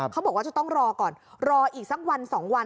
เขาบอกว่าจะต้องรอก่อนรออีกสักวัน๒วัน